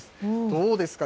どうですか？